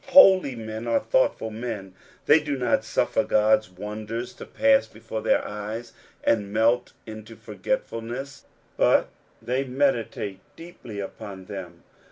Holy men are thoughtful men ; they do not suffer Qod's wonders to pass before their eyes and melt into forgetfulneis, but the; meditato deeply upon them.